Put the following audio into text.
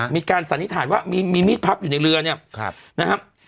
สันนิษฐานว่ามีมีดพับอยู่ในเรือเนี่ยนะครับ